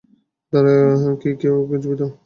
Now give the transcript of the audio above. তারা কী কেউ জীবিত?